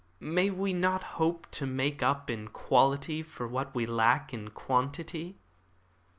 May we not hope to make up in quality for what we lack in quantity?"